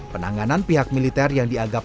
penanganan pihak militer yang dianggap